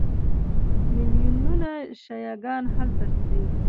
میلیونونه شیعه ګان هلته ځي.